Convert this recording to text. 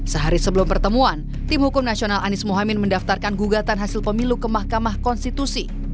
sehari sebelum pertemuan tim hukum nasional anies mohaimin mendaftarkan gugatan hasil pemilu ke mahkamah konstitusi